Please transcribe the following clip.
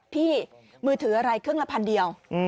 มือถืออะไรครึ่งละพันเดียว